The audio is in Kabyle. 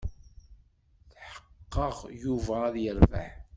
Tḥeqqeɣ Yuba ad yerbeḥ.